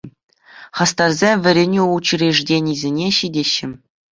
Хастарсем вӗренӳ учрежеденийӗсене ҫитеҫҫӗ.